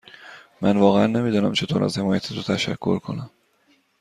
من واقعا نمی دانم چطور از حمایت تو تشکر کنم.